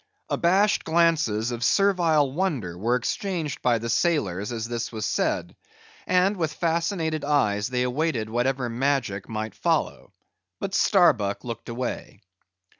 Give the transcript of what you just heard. Abashed glances of servile wonder were exchanged by the sailors, as this was said; and with fascinated eyes they awaited whatever magic might follow. But Starbuck looked away.